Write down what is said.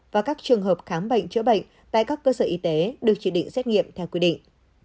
và các trường hợp khám bệnh chữa bệnh tại các cơ sở y tế được chỉ định xét nghiệm theo quy định